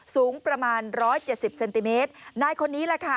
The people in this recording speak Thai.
สูงประมาณร้อยเจ็ดสิบเซนติเมตรนายคนนี้แหละค่ะ